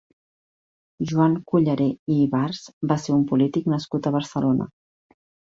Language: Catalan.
Joan Culleré i Ibars va ser un polític nascut a Barcelona.